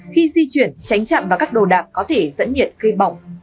khi di chuyển tránh chạm vào các đồ đạc có thể dẫn nhiệt gây bỏng